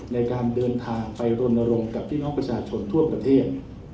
ในการเดินทางไปรณรงค์กับพี่น้องประชาชนทั่วประเทศ